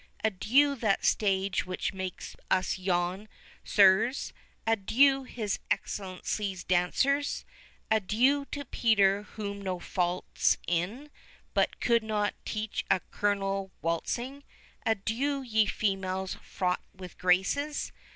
Adieu, that stage which makes us yawn, Sirs, Adieu, his Excellency's dancers! Adieu to Peter whom no fault's in, 15 But could not teach a colonel waltzing; Adieu, ye females fraught with graces!